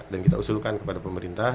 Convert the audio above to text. dan kita usulkan kepada pemerintah